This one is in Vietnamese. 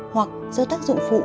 hoặc do tác dụng phụ